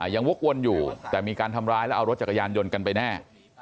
วกวนอยู่แต่มีการทำร้ายแล้วเอารถจักรยานยนต์กันไปแน่